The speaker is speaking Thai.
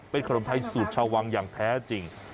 เป็นขนมไทยสูตรชาววังอย่างแท้จริง